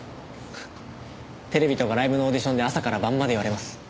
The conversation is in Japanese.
テレビとかライブのオーディションで朝から晩まで言われます。